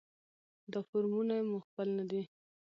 دا فورمونه مو خپل نه دي.